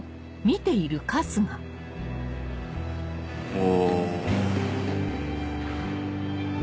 お。